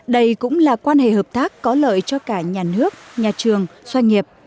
đây cũng là quan hệ hợp tác có lợi cho cả nhà nước nhà trường doanh nghiệp